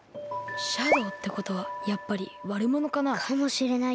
シャドーってことはやっぱりわるものかな？かもしれないですね。